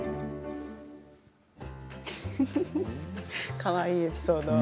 かわいいエピソード。